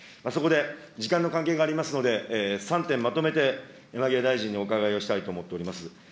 そこで、時間の関係がありますので、３点まとめて、山際大臣にお伺いしたいと思います。